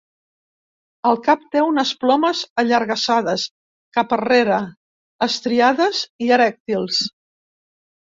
Al cap té unes plomes allargassades cap arrere, estriades i erèctils.